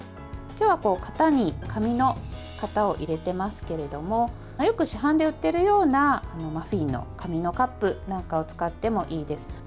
今日は型に紙の型を入れていますけれどもよく市販で売ってるようなマフィンの紙のカップなんかを使ってもいいです。